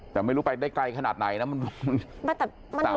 แต่ไม่รู้ไปได้ไกลขนาดไหนนะ